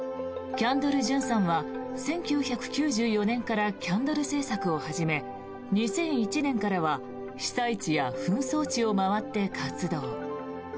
キャンドル・ジュンさんは１９９４年からキャンドル製作を始め２００１年からは被災地や紛争地を回って活動。